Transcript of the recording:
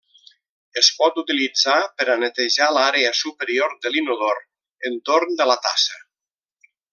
Es pot utilitzar per a netejar l'àrea superior de l'inodor, entorn de la tassa.